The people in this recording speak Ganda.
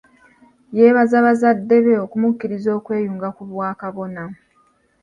Yebaza bazadde be okumukkiriza okweyunga ku bwa kabona.